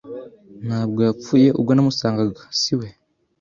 Ntabwo yapfuye ubwo namusangaga, si we. ”